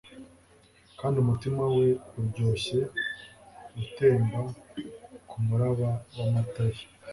Kandi umutima we uryoshye utemba kumuraba wamata ye